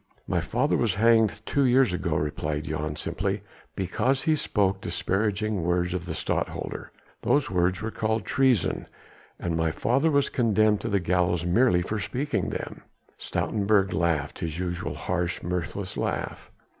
"My father was hanged two years ago," replied Jan simply, "because he spoke disparaging words of the Stadtholder. Those words were called treason, and my father was condemned to the gallows merely for speaking them." Stoutenburg laughed, his usual harsh, mirthless laugh.